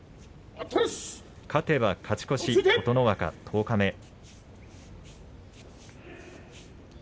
勝てば勝ち越し琴ノ若、十日目。